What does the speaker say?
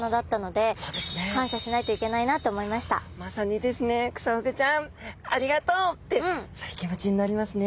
まさにですね「クサフグちゃんありがとう」ってそういう気持ちになりますね。